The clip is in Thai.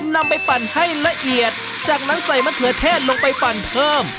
นำไปปั่นให้ละเอียดจากนั้นใส่มะเขือเทศลงไปปั่นเพิ่ม